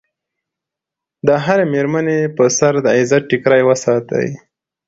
د هرې مېرمنې په سر د عزت ټیکری وساتئ.